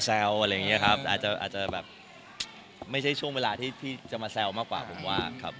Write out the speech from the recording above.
อะไรอย่างนี้ครับอาจจะอาจจะแบบไม่ใช่ช่วงเวลาที่จะมาแซวมากกว่าผมว่าครับ